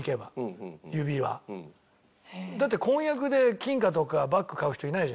だって婚約で金貨とかバッグ買う人いないじゃない。